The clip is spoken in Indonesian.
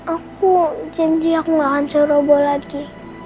aku janji aku gak akan seroboh lagi